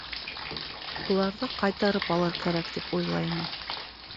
Уларҙы ҡайтарып алыр кәрәк тип уйлай инем.